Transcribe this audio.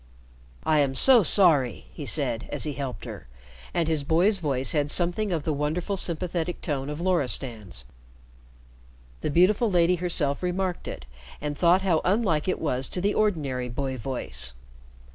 "I am so sorry!" he said, as he helped her, and his boy's voice had something of the wonderful sympathetic tone of Loristan's. The beautiful lady herself remarked it, and thought how unlike it was to the ordinary boy voice.